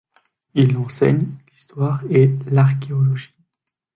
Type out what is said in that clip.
Il enseigne l'histoire et l'archéologie.